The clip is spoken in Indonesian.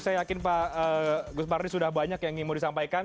saya yakin pak gus pardi sudah banyak yang ingin mau disampaikan